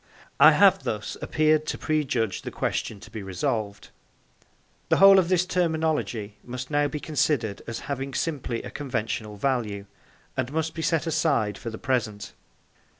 I have thus appeared to prejudge the question to be resolved. The whole of this terminology must now be considered as having simply a conventional value, and must be set aside for the present.